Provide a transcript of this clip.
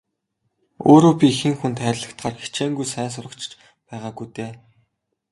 Өөрөө би хэн хүнд хайрлагдахаар хичээнгүй сайн сурагч ч байгаагүй дээ.